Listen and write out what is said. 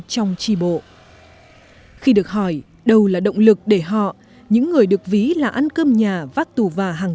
trong tri bộ khi được hỏi đâu là động lực để họ những người được ví là ăn cơm nhà vác tù và hàng